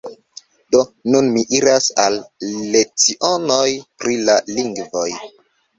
Do, nun ni iras al lecionoj pri la lingvoj